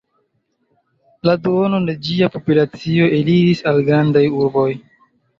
La duono de ĝia populacio eliris al grandaj urboj.